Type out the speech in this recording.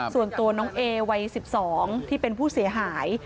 ส่วนตัวน้องเอวัย๑๒ที่เป็นผู้เสียหาย